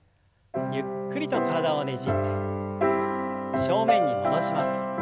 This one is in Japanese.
ゆっくりと体をねじって正面に戻します。